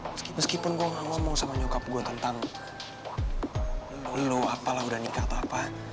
meskipun gue ga ngomong sama nyokap gue tentang lo apa lah udah nikah atau apa